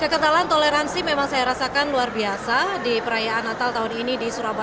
keketalan toleransi memang saya rasakan luar biasa di perayaan natal tahun ini di surabaya